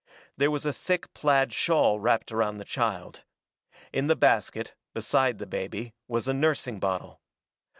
There was a thick plaid shawl wrapped about the child. In the basket, beside the baby, was a nursing bottle.